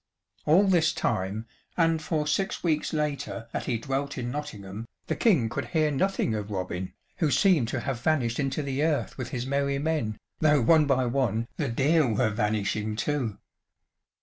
All this time and for six weeks later that he dwelt in Nottingham the King could hear nothing of Robin, who seemed to have vanished into the earth with his merry men, though one by one the deer were vanishing too!